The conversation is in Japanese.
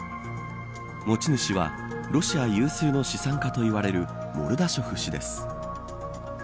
持ち主はロシア有数の資産家といわれるモルダショフ氏です。